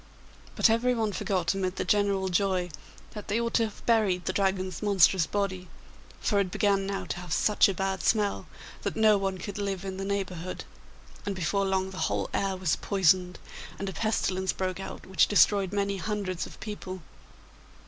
But everyone forgot amid the general joy that they ought to have buried the Dragon's monstrous body, for it began now to have such a bad smell that no one could live in the neighbourhood, and before long the whole air was poisoned, and a pestilence broke out which destroyed many hundreds of people.